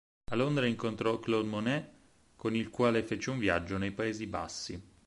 A Londra incontrò Claude Monet, con il quale fece un viaggio nei Paesi Bassi.